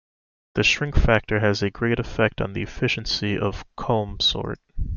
The shrink factor has a great effect on the efficiency of comb sort.